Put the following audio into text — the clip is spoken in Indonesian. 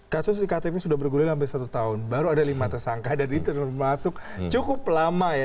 kasus iktp sudah bergulir sampai satu tahun baru ada lima tersangka dan ini termasuk cukup lama ya